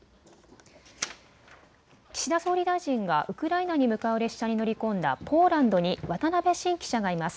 岸田総理大臣がウクライナに向かう列車に乗り込んだポーランドに渡辺信記者がいます。